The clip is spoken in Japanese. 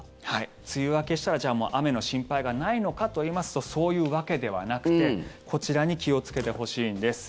梅雨明けしたらじゃあ、もう雨の心配がないのかといいますとそういうわけではなくてこちらに気をつけてほしいんです。